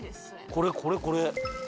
これこれこれ。